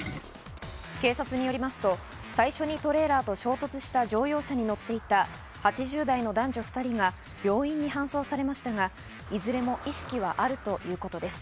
警察によりますと、最初にトレーラーと衝突した乗用車に乗っていた８０代の男女２人が病院に搬送されましたが、いずれも意識はあるということです。